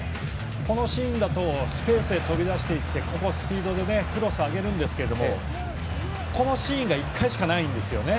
このシーンはスペースで飛び出していっていいスピードでクロスを上げましたがこのシーンが１回しかないんですよね。